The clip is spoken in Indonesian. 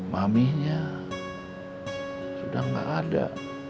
maminya sudah tidak ada